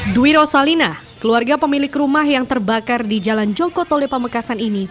dwi rosalina keluarga pemilik rumah yang terbakar di jalan joko tole pamekasan ini